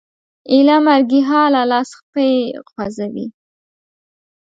ایله مرګي حاله لاس پښې خوځوي